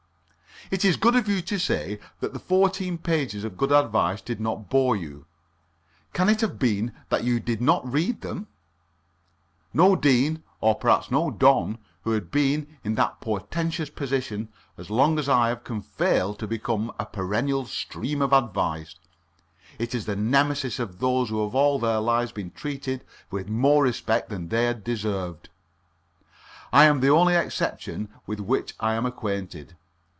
"It is good of you to say that the fourteen pages of good advice did not bore you. Can it have been that you did not read them? No Dean and perhaps no don who has been in that portentous position as long as I have can fail to become a perennial stream of advice. It is the Nemesis of those who have all their lives been treated with more respect than they have deserved. I am the only exception with which I am acquainted.